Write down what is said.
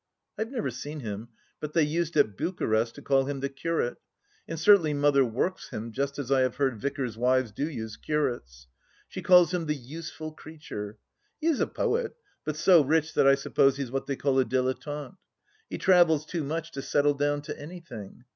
I've never seen him, but they used, at Bucharest, to call him " the curate," and certainly Mother works him just as I have heard vicars' wives do use curates. She calls him " the useful creature." He is a poet, but so rich that I suppose he's what they call a dilettante. He travels too much to settle down to anything.